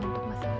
untuk mas aldo